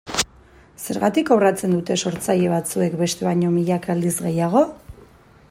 Zergatik kobratzen dute sortzaile batzuek bestek baino milaka aldiz gehiago?